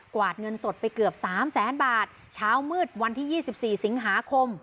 กวาดเงินสดไปเกือบสามแสนบาทช้ามืดวันที่ยี่สิบสี่สิงหาคม